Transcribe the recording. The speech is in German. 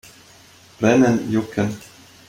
Brennen, Jucken.